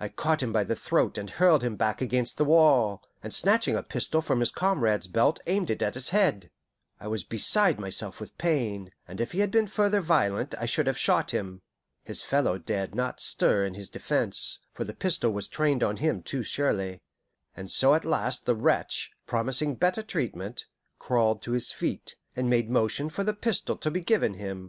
I caught him by the throat and hurled him back against the wall, and snatching a pistol from his comrade's belt aimed it at his head. I was beside myself with pain, and if he had been further violent I should have shot him. His fellow dared not stir in his defence, for the pistol was trained on him too surely; and so at last the wretch, promising better treatment, crawled to his feet, and made motion for the pistol to be given him.